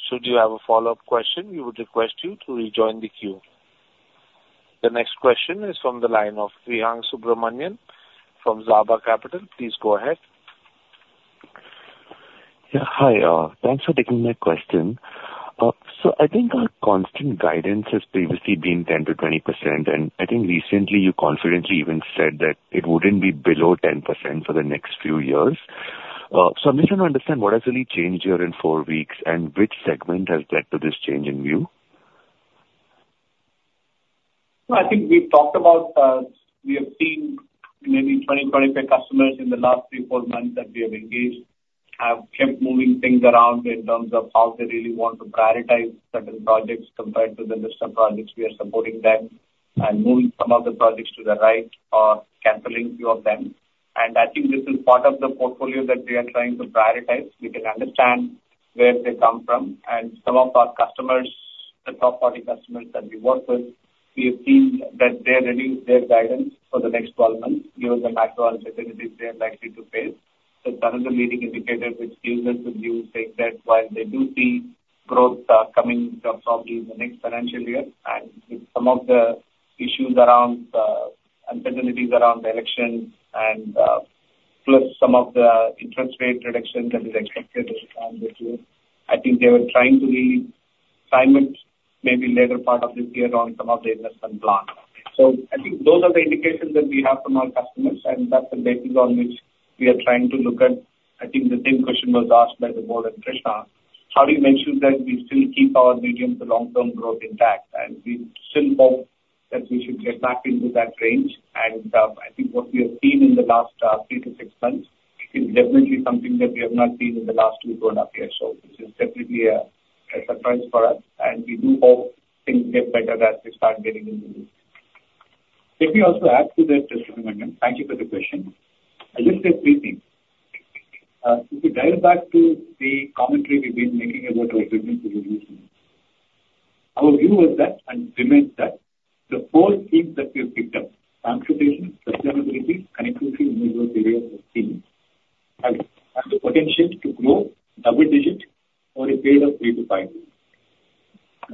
Should you have a follow-up question, we would request you to rejoin the queue. The next question is from the line of Priyank Subramanian from Zaaba Capital. Please go ahead. Yeah. Hi. Thanks for taking my question. So I think our constant guidance has previously been 10%-20%, and I think recently, you confidently even said that it wouldn't be below 10% for the next few years. So I'm just trying to understand, what has really changed here in four weeks, and which segment has led to this change in view? Well, I think we've talked about we have seen maybe 20, 25 customers in the last 3, 4 months that we have engaged have kept moving things around in terms of how they really want to prioritize certain projects compared to the list of projects we are supporting them and moving some of the projects to the right or canceling a few of them. And I think this is part of the portfolio that we are trying to prioritize. We can understand where they come from. And some of our customers, the top-tier customers that we work with, we have seen that they reduce their guidance for the next 12 months given the macro uncertainties they are likely to face. So that is a leading indicator which users would use to take that while they do see growth coming probably in the next financial year. With some of the issues around the uncertainties around the elections and plus some of the interest rate reduction that is expected this time, this year, I think they were trying to really time it maybe later part of this year on some of the investment plan. I think those are the indications that we have from our customers, and that's the basis on which we are trying to look at. I think the same question was asked by Vibor and Krishna. How do you make sure that we still keep our medium to long-term growth intact? We still hope that we should get back into that range. I think what we have seen in the last 3-6 months is definitely something that we have not seen in the last 2, 2.5 years, so which is definitely a surprise for us. We do hope things get better as we start getting into this. Let me also add to that, Mr. Subramanian. Thank you for the question. I just said three things. If we dial back to the commentary we've been making about our business to reduce our view was that and demands that the four themes that we have picked up, transportation, sustainability, connectivity, and usual areas of themes, have the potential to grow double-digit over a period of three to five years.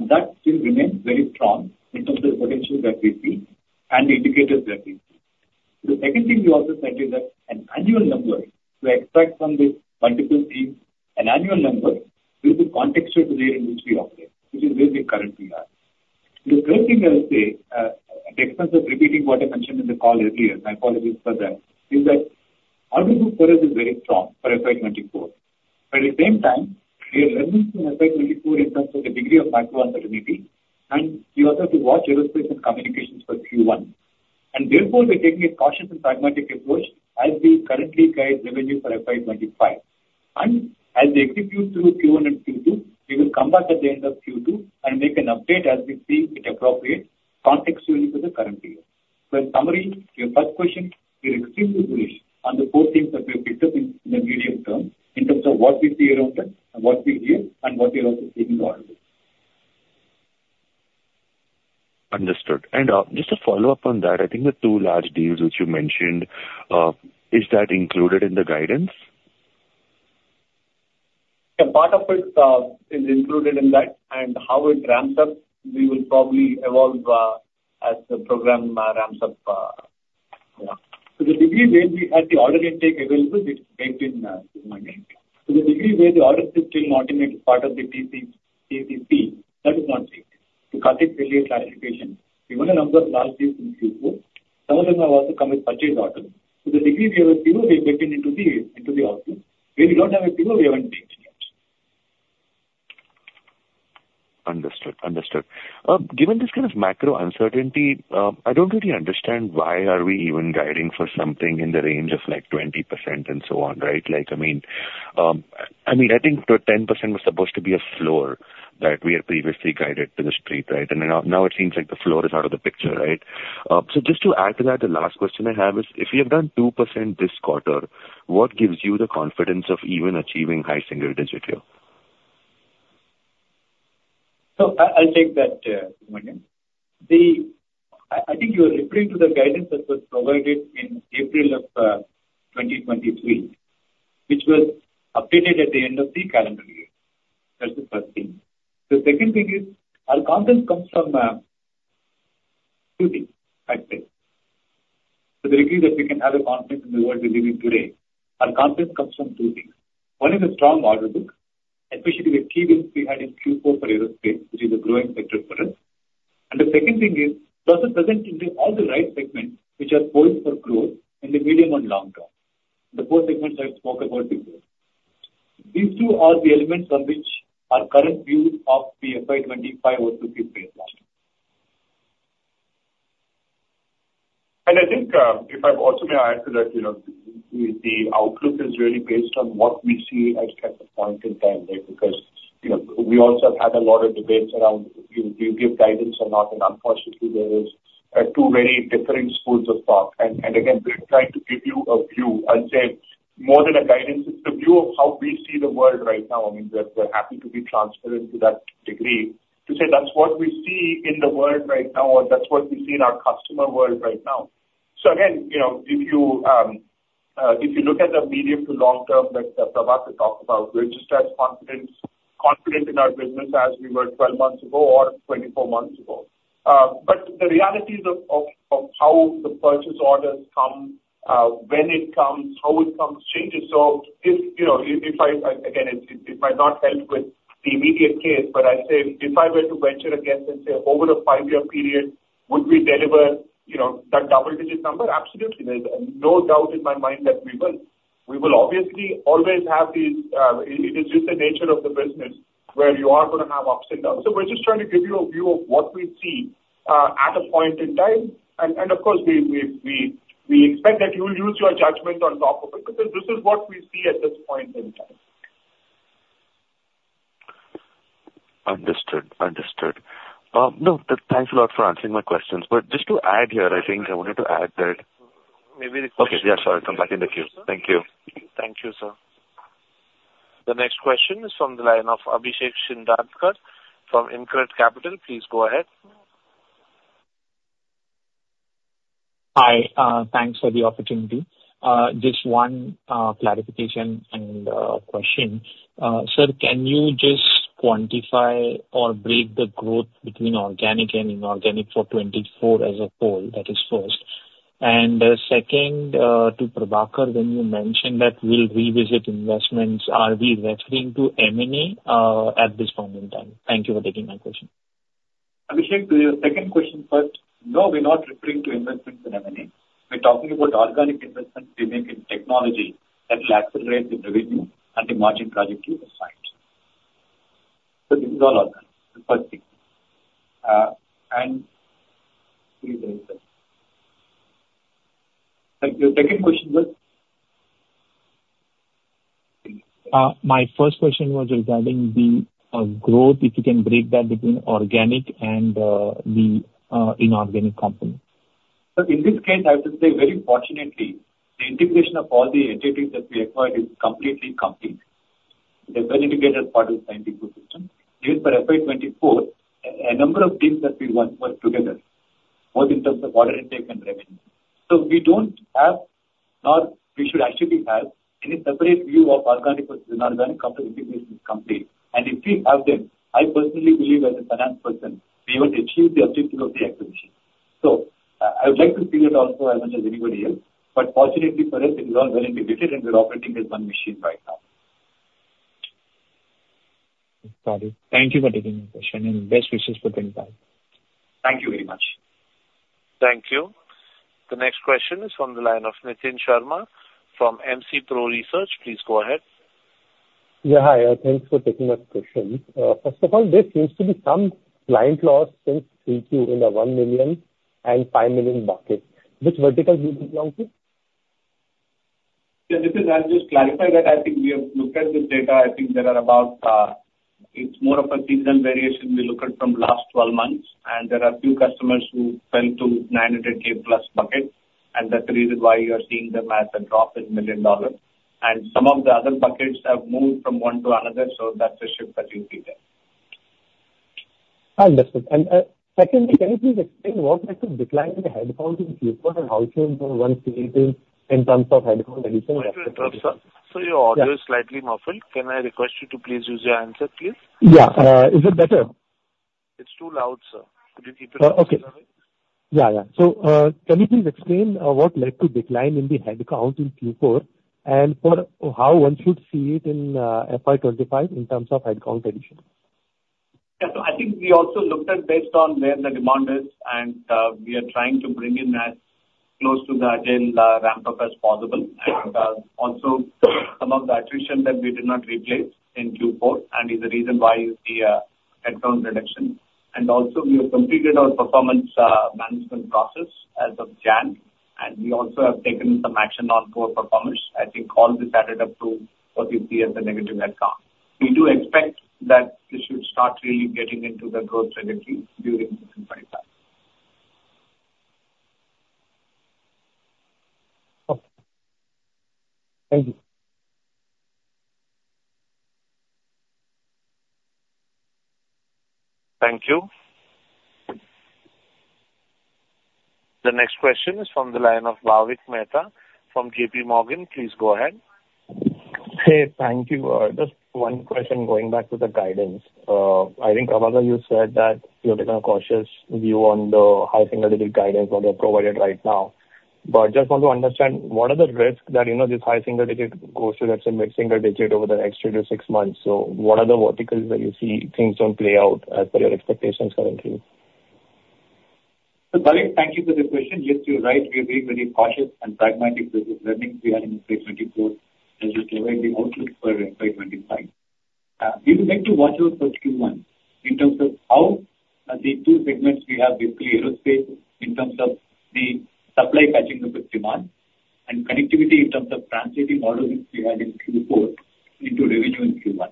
That still remains very strong in terms of the potential that we see and the indicators that we see. The second thing we also said is that an annual number to extract from this multiple themes, an annual number gives a contexture to the area in which we operate, which is where we currently are. The third thing I will say, at the expense of repeating what I mentioned in the call earlier, my apologies for that, is that order book for us is very strong for FY24. At the same time, we are leveling to FY24 in terms of the degree of macro uncertainty, and we also have to watch aerospace and communications for Q1. Therefore, we're taking a cautious and pragmatic approach as we currently guide revenue for FY25. As we execute through Q1 and Q2, we will come back at the end of Q2 and make an update as we see it appropriate contextually for the current year. In summary, your first question, we are extremely bullish on the four themes that we have picked up in the medium term in terms of what we see around us and what we hear and what we are also seeing in the order book. Understood. Just to follow up on that, I think the two large deals which you mentioned, is that included in the guidance? Yeah. Part of it is included in that. And how it ramps up, we will probably evolve as the program ramps up. Yeah. So the degree where we had the order intake available, it's baked in, Subramanian. So the degree where the order still not in as part of the TCP, that is not changing. To cut it, we'll need clarification. We want to ramp up large deals in Q4. Some of them have also come with purchase orders. So the degree we have a PO, we have baked it into the order. Where we don't have a PO, we haven't baked it yet. Understood. Understood. Given this kind of macro uncertainty, I don't really understand why are we even guiding for something in the range of like 20% and so on, right? I mean, I think 10% was supposed to be a floor that we had previously guided to the street, right? And now it seems like the floor is out of the picture, right? So just to add to that, the last question I have is, if you have done 2% this quarter, what gives you the confidence of even achieving high single-digit here? So I'll take that, Subramanian. I think you were referring to the guidance that was provided in April of 2023, which was updated at the end of the calendar year. That's the first thing. The second thing is, our confidence comes from two things, I'd say. So the degree that we can have a confidence in the world we live in today, our confidence comes from two things. One is a strong order book, especially with key wins we had in Q4 for aerospace, which is a growing sector for us. And the second thing is, we're also presenting all the right segments which are poised for growth in the medium and long term. The four segments I spoke about before. These two are the elements on which our current view of the FY25 O2C is based on. And I think if I also may add to that, the outlook is really based on what we see at a point in time, right? Because we also have had a lot of debates around do you give guidance or not. And again, we're trying to give you a view, I'd say, more than a guidance. It's the view of how we see the world right now. I mean, we're happy to be transparent to that degree to say, "That's what we see in the world right now," or, "That's what we see in our customer world right now." So again, if you look at the medium to long term that Prabhakar talked about, we're just as confident in our business as we were 12 months ago or 24 months ago. But the realities of how the purchase orders come, when it comes, how it comes, changes. So if I again, it might not help with the immediate case, but I'd say if I were to venture a guess and say, "Over a five-year period, would we deliver that double-digit number?" Absolutely. There's no doubt in my mind that we will. We will obviously always have these it is just the nature of the business where you are going to have ups and downs. So we're just trying to give you a view of what we see at a point in time. And of course, we expect that you will use your judgment on top of it because this is what we see at this point in time. Understood. Understood. No, thanks a lot for answering my questions. But just to add here, I think I wanted to add that. Maybe the question. Okay. Yeah. Sorry. I'm back in the queue. Thank you. Thank you, sir. The next question is from the line of Abhishek Shindharkar from InCred Capital. Please go ahead. Hi. Thanks for the opportunity. Just one clarification and question. Sir, can you just quantify or break the growth between organic and inorganic for 2024 as a whole? That is first. And second to Prabhakar, when you mentioned that we'll revisit investments, are we referring to M&A at this point in time? Thank you for taking my question. Abhishek, to your second question first, no, we're not referring to investments in M&A. We're talking about organic investments we make in technology that will accelerate the revenue and the margin project you've assigned. So this is all organic, the first thing. And please answer. Your second question was? My first question was regarding the growth, if you can break that between organic and the inorganic company. So in this case, I have to say, very fortunately, the integration of all the entities that we acquired is completely complete. They're well-integrated part of the same ecosystem. Even for FY24, a number of things that we won were together, both in terms of order intake and revenue. So we don't have nor we should actually have any separate view of organic versus inorganic companies. Integration is complete. And if we have them, I personally believe, as a finance person, we won't achieve the objective of the acquisition. So I would like to see that also as much as anybody else. But fortunately for us, it is all well-integrated, and we're operating as one machine right now. Got it. Thank you for taking my question, and best wishes for 2025. Thank you very much. Thank you. The next question is from the line of Nitin Sharma from MC Pro Research. Please go ahead. Yeah. Hi. Thanks for taking my question. First of all, there seems to be some client loss since 3Q in the $1 million and $5 million buckets. Which vertical do you belong to? Yeah. Nitin, I'll just clarify that. I think we have looked at this data. I think there are about. It's more of a seasonal variation we look at from last 12 months. And there are a few customers who fell to 900,000+ buckets, and that's the reason why you are seeing them as a drop in million dollars. And some of the other buckets have moved from one to another, so that's a shift that you see there. Understood. Secondly, can you please explain what led to decline in the headcount in Q4 and how should one see it in terms of headcount addition? Sorry to interrupt, sir. Your audio is slightly muffled. Can I request you to please use your answer, please? Yeah. Is it better? It's too loud, sir. Could you keep it a bit lower? Yeah. Yeah. So can you please explain what led to decline in the headcount in Q4 and how one should see it in FY25 in terms of headcount addition? Yeah. So I think we also looked at based on where the demand is, and we are trying to bring in as close to the agile ramp-up as possible. And also some of the attrition that we did not replace in Q4 and is the reason why you see a headcount reduction. And also, we have completed our performance management process as of January, and we also have taken some action on core performance. I think all this added up to what you see as a negative headcount. We do expect that this should start really getting into the growth trajectory during 2025. Okay. Thank you. Thank you. The next question is from the line of Bhavik Mehta from J.P. Morgan. Please go ahead. Hey. Thank you. Just one question going back to the guidance. I think, Prabhakar, you said that you're taking a cautious view on the high single-digit guidance that you're provided right now. But I just want to understand, what are the risks that this high single-digit goes to, let's say, mid-single-digit over the next 3-6 months? So what are the verticals that you see things don't play out as per your expectations currently? So Bhavik, thank you for this question. Yes, you're right. We are being very cautious and pragmatic with the learnings we had in FY2024 as we provide the outlook for FY2025. We would like to watch out for Q1 in terms of how the two segments we have, basically aerospace, in terms of the supply catching up with demand and connectivity in terms of translating orders we had in Q4 into revenue in Q1.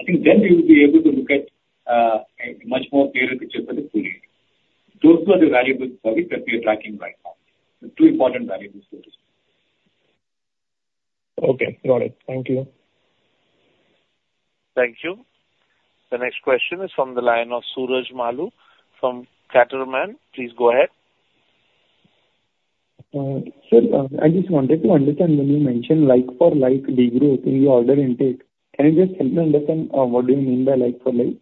I think then we will be able to look at a much more clearer picture for the full year. Those are the valuables, Bhavik, that we are tracking right now. The two important valuables, so to speak. Okay. Got it. Thank you. Thank you. The next question is from the line of Suraj Malu from Catamaran. Please go ahead. Sir, I just wanted to understand when you mentioned like-for-like degrowth in the order intake. Can you just help me understand what do you mean by like-for-like?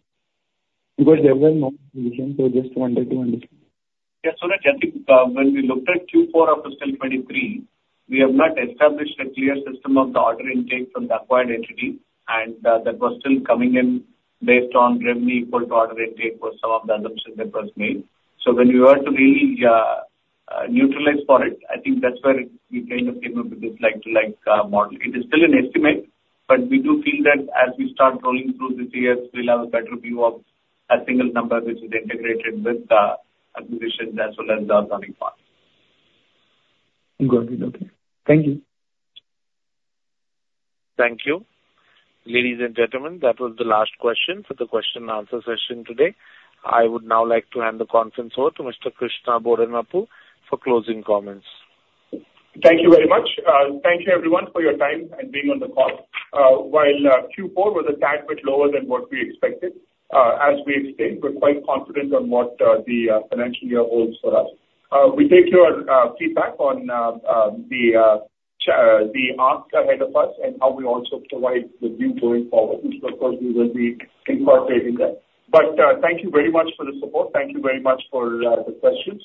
Because there were no revisions, so I just wanted to understand. Yeah. Suraj, I think when we looked at Q4 of fiscal 2023, we have not established a clear system of the order intake from the acquired entity, and that was still coming in based on revenue equal to order intake was some of the assumptions that were made. So when we were to really neutralize for it, I think that's where we kind of came up with this like-to-like model. It is still an estimate, but we do feel that as we start rolling through these years, we'll have a better view of a single number which is integrated with the acquisitions as well as the organic part. Got it. Okay. Thank you. Thank you. Ladies and gentlemen, that was the last question for the question-and-answer session today. I would now like to hand the conference over to Mr. Krishna Bodanapu for closing comments. Thank you very much. Thank you, everyone, for your time and being on the call. While Q4 was a tad bit lower than what we expected, as we explained, we're quite confident on what the financial year holds for us. We take your feedback on the ask ahead of us and how we also provide the view going forward, which, of course, we will be incorporating that. But thank you very much for the support. Thank you very much for the questions.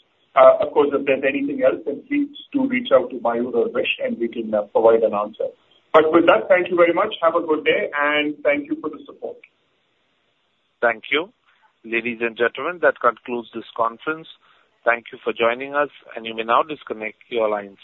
Of course, if there's anything else, then please do reach out to Mayur or Vish, and we can provide an answer. But with that, thank you very much. Have a good day, and thank you for the support. Thank you. Ladies and gentlemen, that concludes this conference. Thank you for joining us, and you may now disconnect your lines.